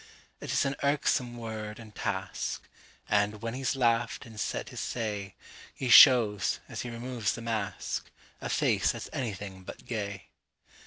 It is an irksome word and task; And, when he's laughed and said his say, He shows, as he removes the mask,A face that's anything but gay.